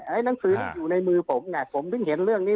ไอ้หนังสือนั้นอยู่ในมือผมไงผมถึงเห็นเรื่องนี้